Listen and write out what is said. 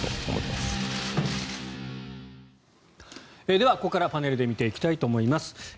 ではここからは、パネルで見ていきたいと思います。